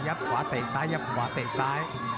ขวาเตะซ้ายยับขวาเตะซ้าย